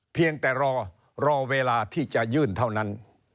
เพียงแต่รอรอเวลาที่จะยื่นเท่านั้น